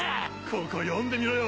ここ読んでみろよ。